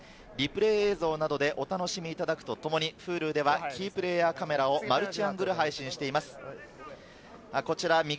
リプレイ映像などでお楽しみいただくとともに、Ｈｕｌｕではキープレイヤーカメラをマルチアングル配信しています。